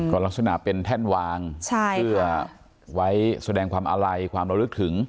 ก็ลักษณะเป็นแท่นวางเพื่อไว้แสดงความอาลัยความระลึกถึง